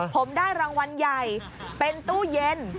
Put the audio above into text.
ผมได้รางวัลใหญ่เป็นตู้เย็น